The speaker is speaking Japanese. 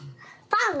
パン。